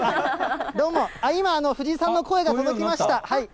どうも、今、藤井さんの声が届きました。